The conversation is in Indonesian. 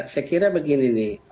saya kira begini nih